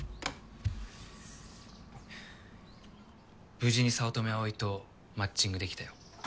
無事に早乙女葵とマッチング出来たよ。